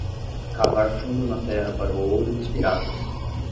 Cavar fundo na terra para o ouro dos piratas.